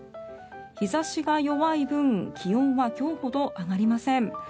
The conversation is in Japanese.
日差しが弱い分気温は今日ほど上がりません。